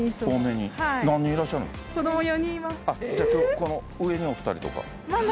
この上にお２人とか？